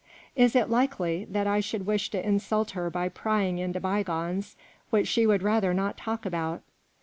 Is it likely that I should wish to insult her by prying into bygones which she would rather not talk about